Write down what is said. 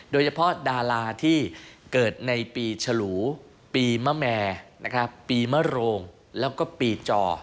โดยเฉพาะดาราที่เกิดในปีฉลูปีมะแม่ปีมโรงแล้วก็ปีจอ